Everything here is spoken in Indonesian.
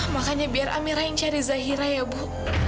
makanya biar amira yang cari zahira ya bu